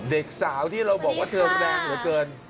เด็กสาวที่เราบอกว่าเธอแรงเหลือเกิน